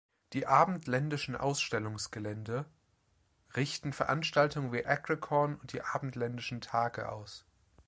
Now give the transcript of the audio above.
Die abendländischen Ausstellungsgelände richten Veranstaltungen wie Agricorn und die abendländischen Tage aus.